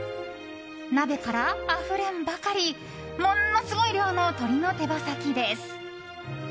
鍋からあふれんばかりものすごい量の鶏の手羽先です。